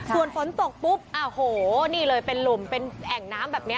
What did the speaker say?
ส่วนฝนตกปุ๊บโอ้โหนี่เลยเป็นหลุมเป็นแอ่งน้ำแบบนี้